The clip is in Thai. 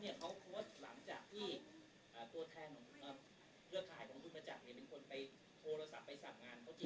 เลือกขายของคุณมาจากเนี้ยเป็นคนไปโทรศัพท์ไปสั่งงาน